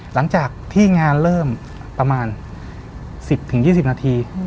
หลังจากที่งานเริ่มประมาณ๑๐๒๐นาที